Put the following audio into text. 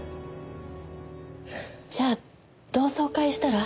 じゃあ同窓会したら？